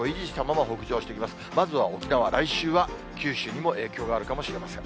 まずは沖縄、来週は九州にも影響があるかもしれません。